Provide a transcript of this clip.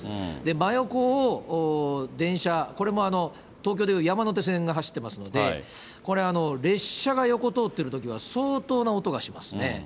真横を電車、これも東京でいう山手線が走っていますので、これ、列車が横通ってるときは、相当な音がしますね。